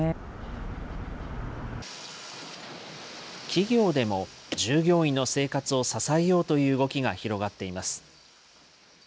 企業でも、従業員の生活を支えようという動きが広がっています。